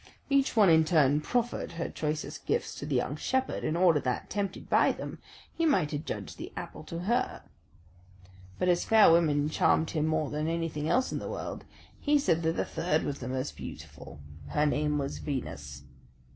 Each one in turn proffered her choicest gifts to the young shepherd, in order that, tempted by them, he might adjudge the apple to her. But as fair women charmed him more than anything else in the world, he said that the third was the most beautiful her name was Venus.